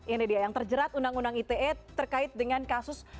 ini dia yang terjerat undang undang ite terkait dengan kasus